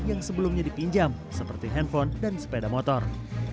yang sebelumnya dipinjam seperti handphone dan sepeda motor